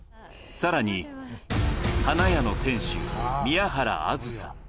さらに、花屋の店主、宮原梓。